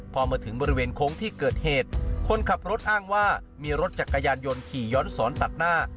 พอมาถึงบริเวณโค้งที่เกิดเหตุคนขับรถอ้างว่ามีรถจักรยานยนต์ขี่ย้อนสอนตัดหน้า